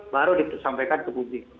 baru disampaikan ke publik